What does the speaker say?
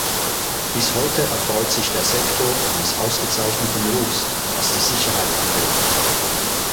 Bis heute erfreut sich der Sektor eines ausgezeichneten Rufs, was die Sicherheit anbelangt.